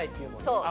そう。